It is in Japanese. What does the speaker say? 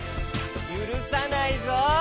ゆるさないぞ！